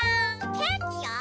ケーキよ！